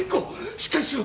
しっかりしろ！